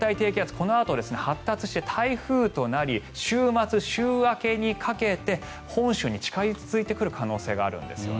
このあと発達して台風となり週末、週明けにかけて本州に近付いてくる可能性があるんですよね。